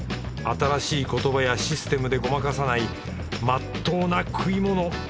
新しい言葉やシステムでごまかさないまっとうな食い物！